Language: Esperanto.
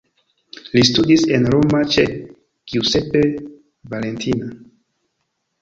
Li studis en Roma ĉe Giuseppe Valentina.